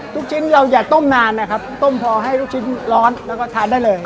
ทุกชิ้นเราอย่าต้มนานนะครับต้มพอให้ลูกชิ้นร้อนแล้วก็ทานได้เลย